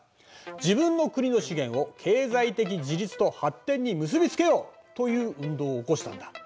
「自分の国の資源を経済的自立と発展に結びつけよう」という運動を起こしたんだ。